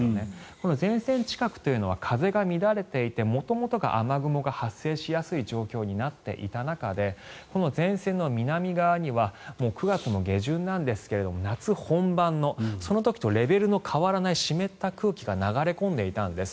この前線近くというのは風が乱れていて元々が雨雲が発生しやすい状況になっていた中でこの前線の南側にはもう９月下旬なんですが夏本番のその時とレベルの変わらない湿った空気が流れ込んでいたんです。